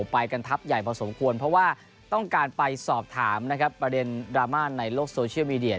ไปกันทับใหญ่พอสมควรเพราะว่าต้องการไปสอบถามนะครับประเด็นดราม่าในโลกโซเชียลมีเดีย